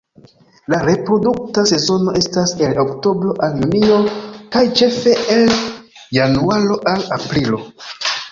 La reprodukta sezono estas el oktobro al junio kaj ĉefe el januaro al aprilo.